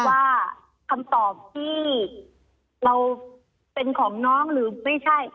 ว่าคำตอบที่เราเป็นของน้องหรือไม่ใช่